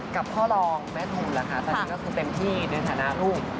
กับพ่อรองแม่ทุ่นละคะที่ทำเป็นพี่ในฐานะลูก